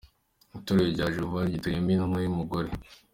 Itorero rya Jehovanisi ryitoyemo intumwa y’umugore